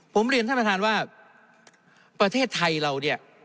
ผมเรียนท่านประธานว่าประเทศไทยเราเนี่ย